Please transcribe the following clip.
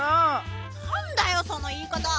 なんだよそのいいかた！